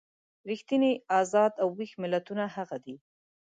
ریښتیني ازاد او ویښ ملتونه هغه دي.